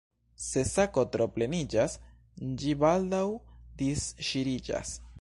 Se sako tro pleniĝas, ĝi baldaŭ disŝiriĝas.